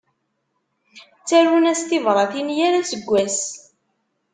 Ttarun-as tibratin yal aseggas.